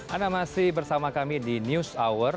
anda masih bersama kami di news hour